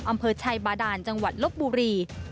อำเภอชัยบาดานจังหวัดลบบุรี